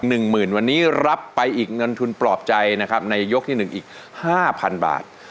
หนึ่งหมื่นวันนี้รับไปอีกเงินทุนปลอบใจนะครับในยกที่หนึ่งอีกห้าพันบาท